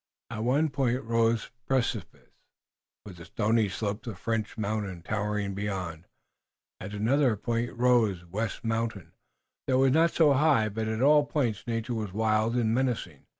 At one point rose precipices, with the stony slopes of French Mountain towering beyond. At another point rose West Mountain, though it was not so high, but at all points nature was wild and menacing.